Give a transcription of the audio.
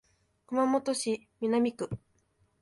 熊本市南区